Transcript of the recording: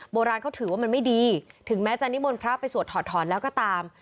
โบราณเขาถือว่ามันไม่ดีถึงแม้จะนิมนต์พระไปสวดถอดถอนแล้วก็ตาม